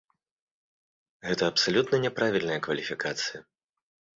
Гэта абсалютна няправільная кваліфікацыя.